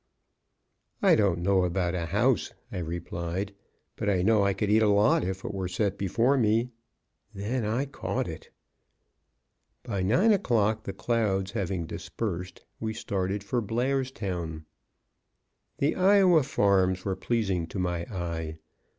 "I don't know about a house," I replied, "but I know I could eat a lot if it were set before me." Then I caught it! By nine o'clock the clouds having dispersed, we started for Blairstown. The Iowa farms were pleasing to my eye.